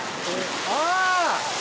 ああ！